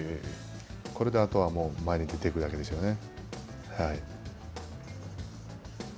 これで、あとはもう前に出ていくだけですよね。